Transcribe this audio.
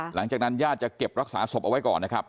หลังจากนั้นญาติจะเก็บรักษาศพเอาไว้ก่อนนะครับ